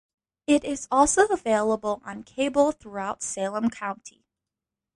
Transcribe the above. It is also available on cable throughout Salem County.